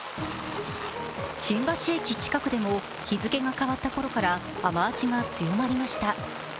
新橋駅近くでも日付が変わったころから雨足が強まりました。